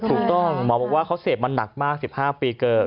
ถูกต้องหมอบอกว่าเขาเสพมันหนักมาก๑๕ปีเกิน